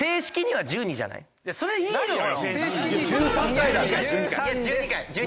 いやそれいいのよ！